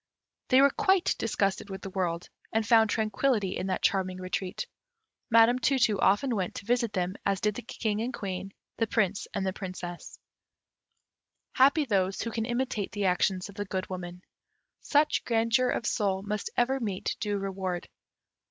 They were quite disgusted with the world, and found tranquillity in that charming retreat. Madam Tu tu often went to visit them, as did the King and Queen, the Prince and Princess. Happy those who can imitate the actions of the Good Woman. Such grandeur of soul must ever meet due reward.